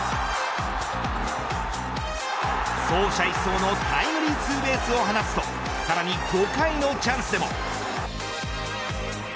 走者一掃のタイムリーツーベースを放つとさらに５回のチャンスでも。